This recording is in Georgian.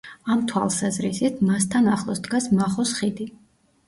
ამ თვალსაზრისით მასთან ახლოს დგას მახოს ხიდი.